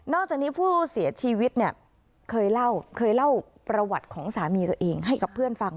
จากนี้ผู้เสียชีวิตเนี่ยเคยเล่าเคยเล่าประวัติของสามีตัวเองให้กับเพื่อนฟัง